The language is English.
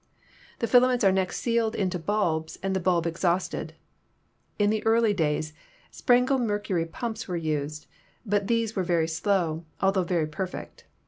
The filaments are next sealed into bulbs and the bulb exhausted. In the early days, Sprengel mercury pumps were used, but these were very slow, altho very perfect.